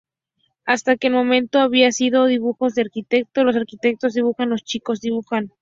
Hasta ese momento habían sido dibujos de arquitecto, los arquitectos dibujan, los chicos dibujan...